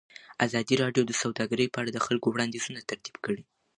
ازادي راډیو د سوداګري په اړه د خلکو وړاندیزونه ترتیب کړي.